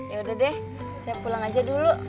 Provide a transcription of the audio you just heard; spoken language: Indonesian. yaudah deh saya pulang aja dulu